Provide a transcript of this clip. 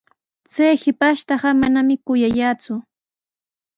Chay shipashtaqa manami kuyallaaku.